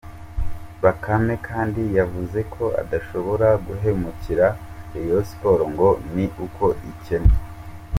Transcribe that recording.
Bakame kandi yavuze ko adashobora guhemukira Rayon Sports ngo ni uko ikennye.